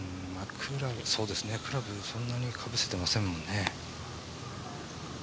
クラブ、かぶせてませんもんね。